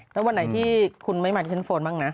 ถ้าวันไหนที่คุณไม่มาเซ็นโฟนบ้างนะ